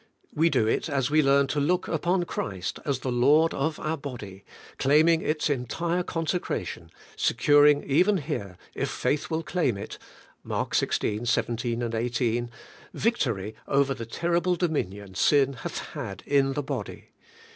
We do it as we learn to look upon Christ as the Lord of our body, claiming its entire consecration, securing even here, if faith will claim it (Mark xvL 17, 18), victory over the terrible dominion sin hath had in the body.